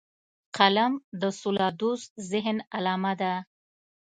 قلم د سولهدوست ذهن علامه ده